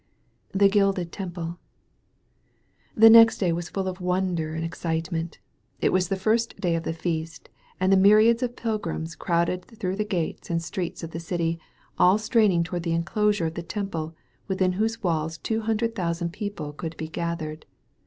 II THE GILDED TEMPLE The next day was full of wonder and excitement. It was the first day of the Feast, and the myriads of pilgrims crowded through the gates and streets of the city, all straining toward the enclosure of the Temple, within whose walls two hundred thousand people could be gathered.